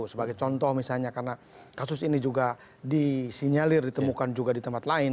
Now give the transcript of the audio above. sebagai contoh misalnya karena kasus ini juga disinyalir ditemukan juga di tempat lain